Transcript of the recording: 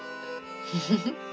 フフフ。